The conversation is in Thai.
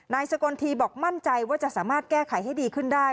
สกลทีบอกมั่นใจว่าจะสามารถแก้ไขให้ดีขึ้นได้